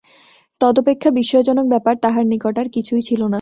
তদপেক্ষা বিস্ময়জনক ব্যাপার তাহার নিকট আর কিছুই ছিল না।